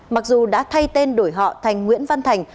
mặc dù đã thay tên đổi họ thành nguyễn văn thành